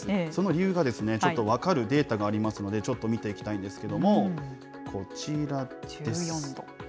その理由が、ちょっと分かるデータがありますので、ちょっと見ていきたいんですけれども、こちらです。